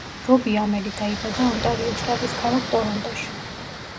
რობი ამელი დაიბადა ონტარიოს შტატის ქალაქ ტორონტოში.